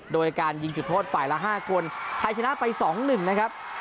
โดยการยิงจุดโทษฝ่ายละห้าคนใครชนะไปสองหนึ่งนะครับ